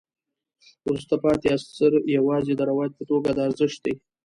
وروسته پاتې عصر یوازې د روایت په توګه د ارزښت دی.